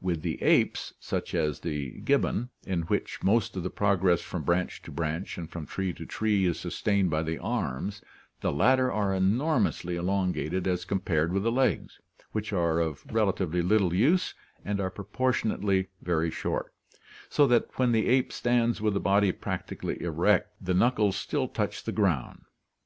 With the apes, such as the gibbon, in which most of the progress from branch to branch and from tree to tree is sustained by the arms, the latter are enormously elongated as compared with the legs, which are of relatively little use and are proportionately very short, so that when the ape stands with the body practically erect the knuckles still touch the ground (see PL XXVI).